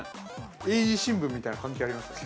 英字新聞みたいなん関係ありますか。